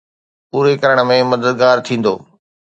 ”پوري ڪرڻ ۾ مددگار ٿيندو؟